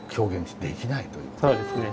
そうですね。